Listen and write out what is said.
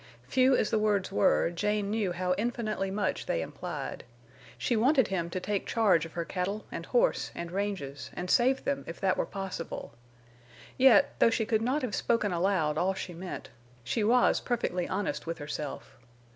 Few as the words were, Jane knew how infinitely much they implied. She wanted him to take charge of her cattle and horse and ranges, and save them if that were possible. Yet, though she could not have spoken aloud all she meant, she was perfectly honest with herself.